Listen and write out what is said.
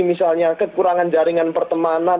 misalnya kekurangan jaringan pertemanan